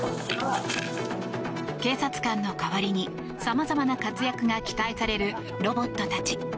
警察官の代わりにさまざまな活躍が期待されるロボットたち。